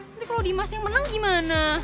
nanti kalau dimas yang menang gimana